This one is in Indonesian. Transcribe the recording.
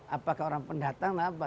apakah orang pendatang apa